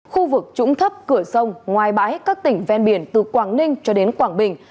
khu vực trũng thấp cửa sông ngoài bái các tỉnh ven biển từ quảng ninh cho đến quảng bình